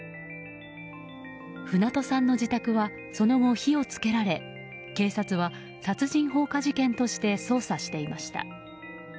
船戸さんの自宅はその後火を付けられ警察は殺人放火事件として捜査していました。